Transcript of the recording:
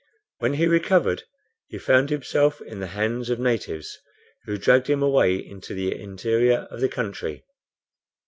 When he recovered, he found himself in the hands of natives, who dragged him away into the interior of the country.